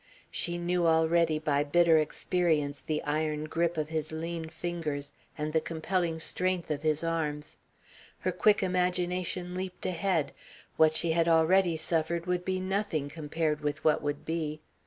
She knew already by bitter experience the iron grip of his lean fingers and the compelling strength of his arms. Her quick imagination leaped ahead. What she had already suffered would be nothing compared with what would be.